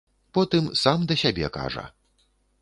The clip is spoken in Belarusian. Потым сам да сябе кажа.